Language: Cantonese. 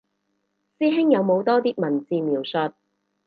師兄有冇多啲文字描述